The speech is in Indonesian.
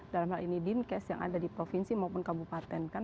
dalam hal ini dinkes yang ada di provinsi maupun kabupaten kan